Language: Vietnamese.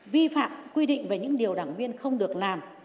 vi phạm quy định về những điều đảng viên không được làm